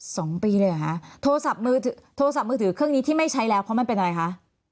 สองปีเลยหรอค่ะโทรศัพท์มือถือเครื่องนี้ที่ไม่ใช้แล้วเพราะมันเป็นอะไรค่ะ